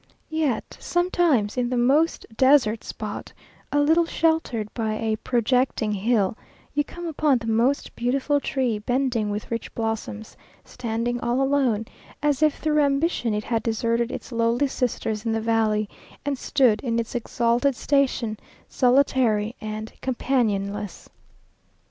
Yet sometimes in the most desert spot, a little sheltered by a projecting hill, you come upon the most beautiful tree, bending with rich blossoms, standing all alone, as if through ambition it had deserted its lowly sisters in the valley, and stood, in its exalted station, solitary and companionless.